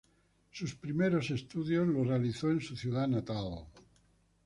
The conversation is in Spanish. Sus primeros estudios los realizó en su ciudad natal.